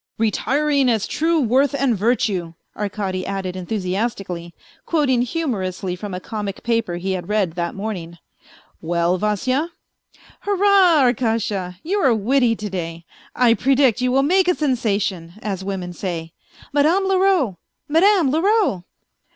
" Retiring as true worth and virtue," Arkady added enthusi astically, quoting humorously from a comic paper he had read that morning. " Well, Vasya? "" Hurrah, Arkasha ! You are witty to day. I predict you will make a sensation, as women say. Madame Leroux, Madame Leroux